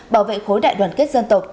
bảo vệ khối đại đoàn kết dân tộc